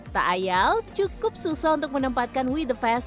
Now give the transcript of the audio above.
tak ayal cukup susah untuk menempatkan we the fest